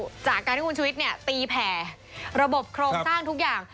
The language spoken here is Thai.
หลังจากที่ว่าคุณชูวิทย์ตีแผ่ระบบโครงสร้างทุกอย่าง